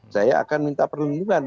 saya akan minta perlindungan